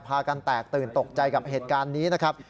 พากันแตกตื่นตกใจกับเหตุการณ์นี้นะครับ